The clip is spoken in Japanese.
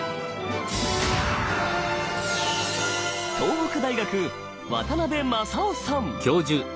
東北大学渡辺正夫さん。